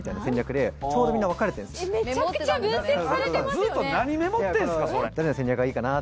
ずっと何メモってんすかそれ。